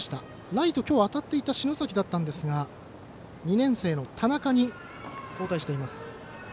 ライト、今日当たっていた篠崎だったんですが２年生の田中に交代しています。